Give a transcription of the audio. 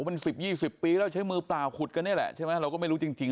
มันสิบยี่สิบปีแล้วใช้มือตาขุดกันนี่แหละใช่ไหมเราก็ไม่รู้จริง